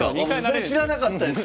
それ知らなかったです。